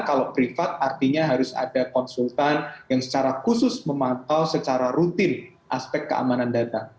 kalau privat artinya harus ada konsultan yang secara khusus memantau secara rutin aspek keamanan data